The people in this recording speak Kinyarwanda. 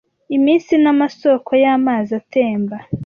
Iminsi n'amasoko y'amazi atemba